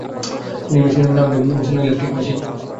তিনি এই মেশিনের নাম দেন ম্যাসোনো ইলেক্ট্রিক মেশিন।